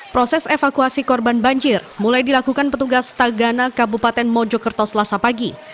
proses evakuasi korban banjir mulai dilakukan petugas tagana kabupaten mojokerto selasa pagi